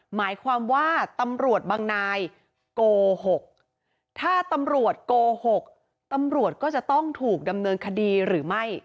หมายความว่าตำรวจบางนายโกหกถ้าตำรวจโกหกตำรวจก็จะต้องถูกดำเนินคดีหรือไม่